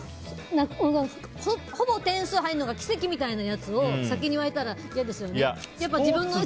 ほぼ点数入るのが奇跡みたいなやつを先に言われたら嫌ですよね。